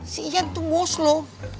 si iyan tuh bos lu